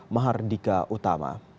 mahar dika utama